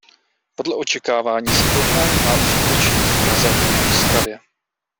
Podle očekávání se turnaj má uskutečnit v Praze a Ostravě.